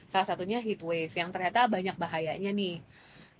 salah satunya hip wave yang ternyata banyak bahayanya nih